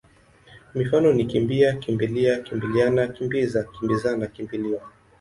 Mifano ni kimbi-a, kimbi-lia, kimbili-ana, kimbi-za, kimbi-zana, kimbi-liwa.